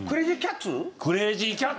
クレージー・キャッツ？